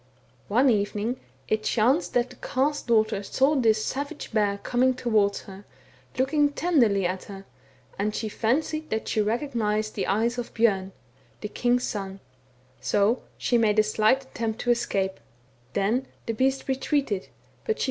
One evening it chanced that the Carle's daughter saw this savage bear coming towards her, looking ten derly at her, and she fancied that she recognized the eyes of Bjorn, the king's son, so she made a slight attempt to escape ; then the beast retreated, but she THE WERE WOLF IN THE NORTH.